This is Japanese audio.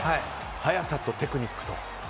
速さとテクニックと。